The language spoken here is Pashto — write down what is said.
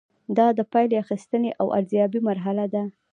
دا د پایلې اخیستنې او ارزیابۍ مرحله ده.